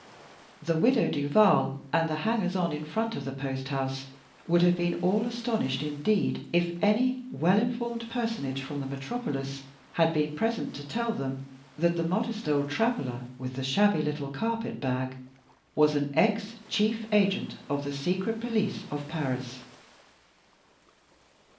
The Widow Duval and the hangers on in front of the post house would have been all astonished indeed if any well informed personage from the metropolis had been present to tell them that the modest old traveler with the shabby little carpet bag was an ex chief agent of the secret police of Paris!